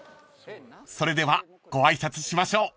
［それではご挨拶しましょう］